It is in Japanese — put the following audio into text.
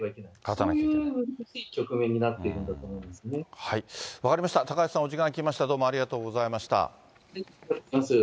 そういう局面になって分かりました、高橋さん、お時間来ました、どうもありがとうございました。